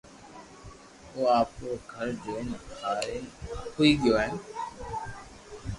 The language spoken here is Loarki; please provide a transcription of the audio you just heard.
او آپرو گھر جوئين ھآرين ھوئي گيو ھين